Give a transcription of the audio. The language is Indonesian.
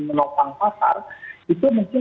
menopang pasar itu mungkin